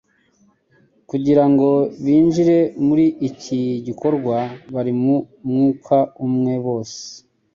kugira ngo binjire muri iki gikorwa bari mu mwuka umwe bose